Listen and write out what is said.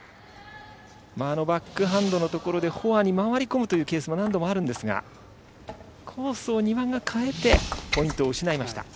前のバックハンドのところでフォアに回り込むというケースも何度もあるんですが、コースを丹羽が変えて、ポイントを失いました。